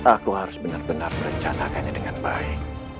aku harus benar benar merencanakannya dengan baik